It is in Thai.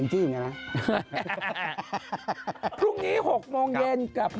ใช่คนนี้นะครับ